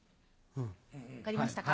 分かりましたか？